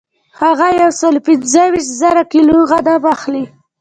هغه یو سل پنځه ویشت زره کیلو غنم اخلي